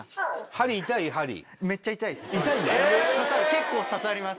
結構刺さります。